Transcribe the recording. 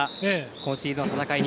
今シーズンの戦い